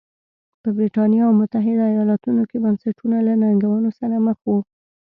په برېټانیا او متحده ایالتونو کې بنسټونه له ننګونو سره مخ وو.